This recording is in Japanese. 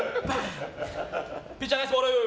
ピッチャー、ナイスボール。